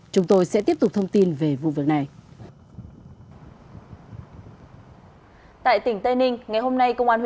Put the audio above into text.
chúng tôi sẽ tiếp tục thông tin về việc